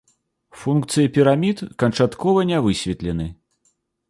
Функцыі пірамід канчаткова не высветлены.